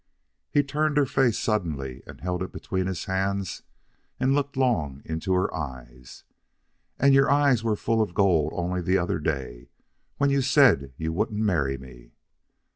He turned her face suddenly and held it between his hands and looked long into her eyes. "And your eyes were full of gold only the other day, when you said you wouldn't marry me."